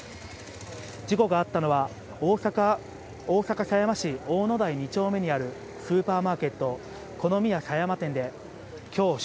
事故があったのは、大阪狭山市大野台２丁目にあるスーパーマーケット、コノミヤ狭山店で、きょう正